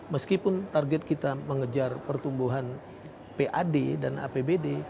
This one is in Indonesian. meskipun target kita mengejar pertumbuhan pad dan apbd